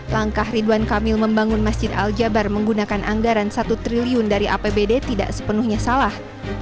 langkah ridwan kamil membangun masjid al jabar menggunakan anggaran satu triliun dari apbd tidak sepenuhnya salah